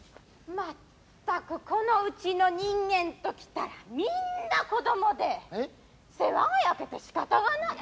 全くこのうちの人間と来たらみんな子供で世話が焼けてしかたがない。